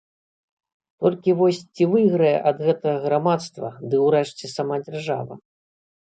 Толькі вось ці выйграе ад гэтага грамадства ды, урэшце, сама дзяржава?